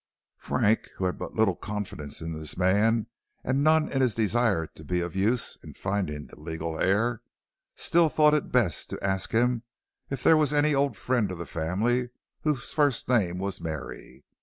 Frank, who had but little confidence in this man and none in his desire to be of use in finding the legal heir, still thought it best to ask him if there was any old friend of the family whose first name was Mary.